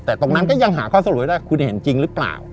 แต่ตรงนั้นก็ยังหาข้อสรุปให้ได้คุณเห็นจริงหรือเปล่า